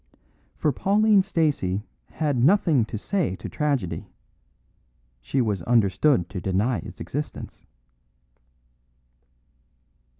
For Pauline Stacey had nothing to say to tragedy; she was understood to deny its existence.